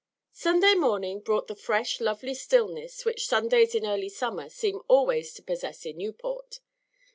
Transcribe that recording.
SUNDAY morning brought the fresh, lovely stillness which Sundays in early summer seem always to possess in Newport.